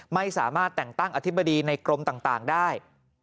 ไม่สามารถแต่งตั้งอธิบดีในกรมต่างได้